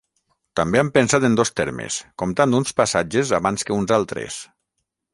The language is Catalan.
També han pensat en dos termes: comptant uns passatges abans que uns altres.